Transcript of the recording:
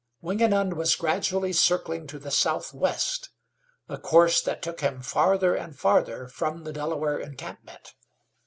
Wingenund was gradually circling to the southwest, a course that took him farther and farther from the Delaware encampment.